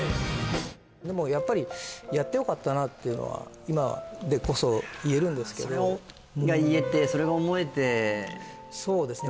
でもやっぱりやってよかったなっていうのは今でこそ言えるんですけどそれが言えてそれが思えてそうですね